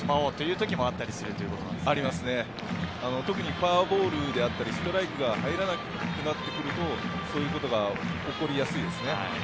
フォアボール、ストライクが入らなくなると、そういうことが起こりやすいですね。